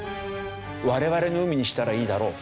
「我々の海にしたらいいだろう」。